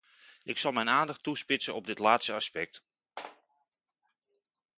Ik zal mijn aandacht toespitsen op dit laatste aspect.